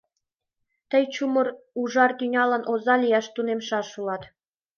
Тый чумыр ужар тӱнялан оза лияш тунемшаш улат.